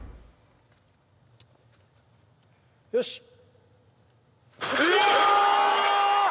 よし！